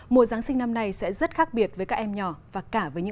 mùa giáng sinh năm nay sẽ rất khác biệt với các em nhỏ